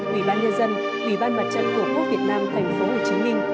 ủy ban nhân dân ủy ban mặt trận tổ quốc việt nam tp hcm